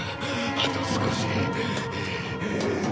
あと少し。